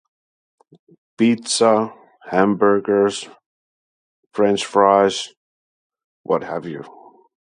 Pizza, hamburgers, french fries... what have you.